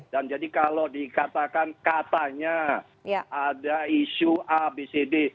dan jadi kalau dikatakan katanya ada isu abcd